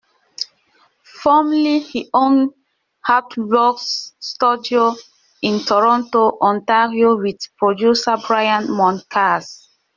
Formerly, he owned Rattlebox Studios in Toronto, Ontario with producer Brian Moncarz.